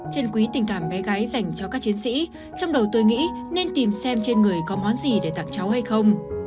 chân quý tình cảm bé gái dành cho các chiến sĩ trong đầu tôi nghĩ nên tìm xem trên người có món gì để tặng cháu hay không